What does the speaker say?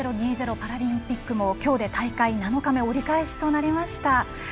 パラリンピックもきょうで大会７日目折り返しとなりました。